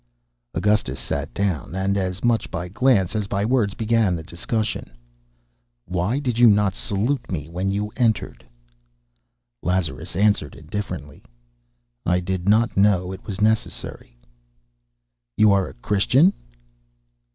Augustus sat down, and as much by glance as by words began the discussion. "Why did you not salute me when you entered?" Lazarus answered indifferently: "I did not know it was necessary." "You are a Christian?"